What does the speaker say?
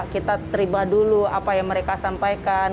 kita terima dulu apa yang mereka sampaikan